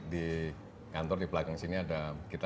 di kantor di pelacong sini ada